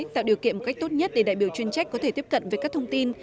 tạo điều kiện một cách tốt nhất để đại biểu chuyên trách có thể tiếp cận với các thông tin